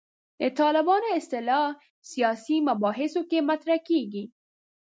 د طالبانو اصطلاح سیاسي مباحثو کې مطرح کېږي.